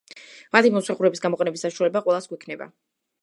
მათი მომსახურების გამოყენების საშუალება ყველას გვექნება.